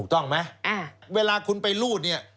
ต้องมั้ยเวลาคุณไปรูดเนี่ย